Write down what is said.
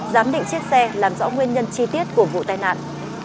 giám định chiếc xe làm rõ nguyên nhân chi tiết của vụ tai nạn